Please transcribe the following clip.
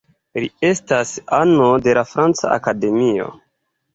Li estas ano de la Franca Akademio.